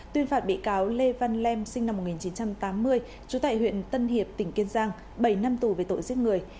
tuyên phạt bị cáo lê văn lm sinh năm một nghìn chín trăm tám mươi trú tại huyện tân hiệp tỉnh kiên giang bảy năm tù về tội giết người